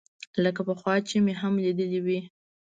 لکه پخوا چې مې هم ليدلى وي.